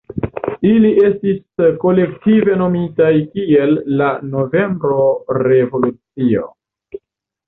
Ili estis kolektive nomitaj kiel la "Novembro Revolucio".